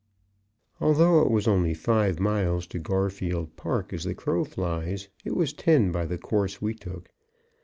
Although it was only five miles to Garfield Park as the crow flies, it was ten by the course we took.